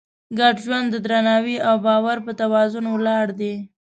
ګډ ژوند د درناوي او باور په توازن ولاړ دی.